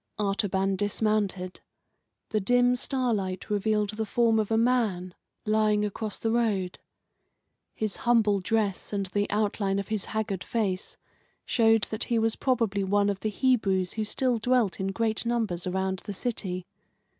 Artaban dismounted. The dim starlight revealed the form of a man lying across the road. His humble dress and the outline of his haggard face showed that he was probably one of the Hebrews who still dwelt in great numbers around the city.